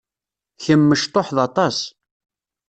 Kemm mecṭuḥed aṭas.